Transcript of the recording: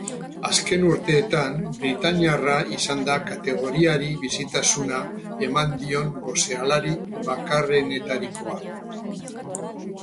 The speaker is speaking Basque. Azken urteetan britainiarra izan da kategoriari bizitasuna eman dion boxealari bakarrenetarikoa.